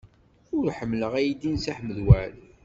Ur ḥemmleɣ aydi n Si Ḥmed Waɛli.